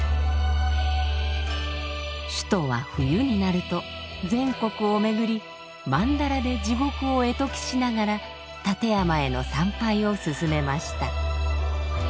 衆徒は冬になると全国をめぐり曼荼羅で地獄を絵解きしながら立山への参拝を勧めました。